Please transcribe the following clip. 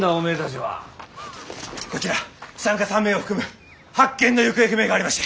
こちら資産家３名を含む８件の行方不明がありまして。